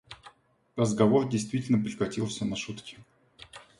Разговор действительно прекратился на шутке.